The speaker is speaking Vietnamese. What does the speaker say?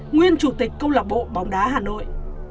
nguyên chủ tịch công lạc bộ bóng đá hà nội